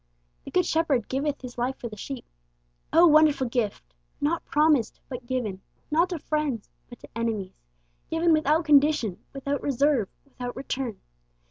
'The Good Shepherd giveth His life for the sheep.' Oh, wonderful gift! not promised, but given; not to friends, but to enemies. Given without condition, without reserve, without return.